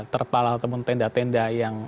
terpalat temen tenda tenda yang